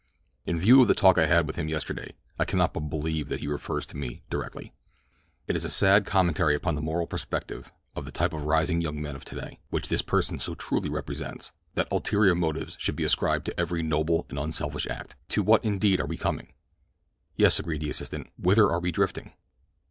In view of the talk I had with him yesterday I cannot but believe that he refers directly to me. "It is a sad commentary upon the moral perspective of the type of rising young men of today, which this person so truly represents, that ulterior motives should be ascribed to every noble and unselfish act. To what, indeed, are we coming?" "Yes," agreed the assistant, "whither are we drifting?"